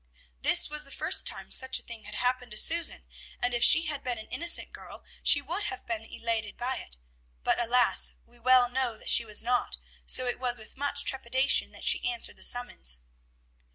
This was the first time such a thing had happened to Susan, and if she had been an innocent girl she would have been elated by it; but, alas, we well know that she was not, so it was with much trepidation that she answered the summons.